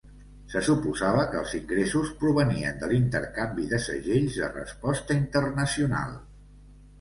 Se suposava que els ingressos provenien de l'intercanvi de segells de resposta internacional.